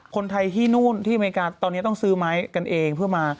คนไทยที่นู่นที่อเมริกาตอนนี้ต้องซื้อไม้กันเองเพื่อมา